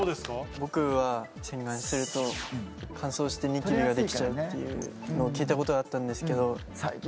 僕は洗顔すると乾燥してニキビができちゃうっていうのを聞いたことがあったんですけど。